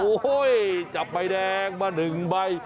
โอ้โฮจับใหม่แดงมาหนึ่งใบ